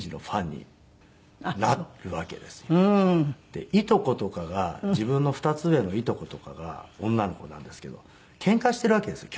でいとことかが自分の２つ上のいとことかが女の子なんですけどけんかしてるわけですよ